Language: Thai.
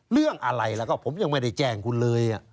เรื่องอะไรแล้วก็ผมยังไม่ได้แจ้งคุณเลย